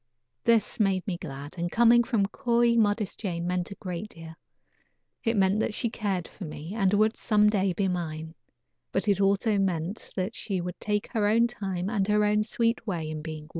This made me glad, and coming from coy, modest Jane meant a great deal. It meant that she cared for me, and would, some day, be mine; but it also meant that she would take her own time and her own sweet way in being won.